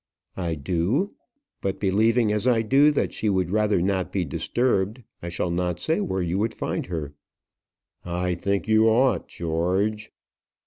"I do. But, believing as I do that she would rather not be disturbed, I shall not say where you would find her." "I think you ought, George."